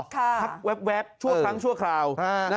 พักแวบชั่วครั้งชั่วคราว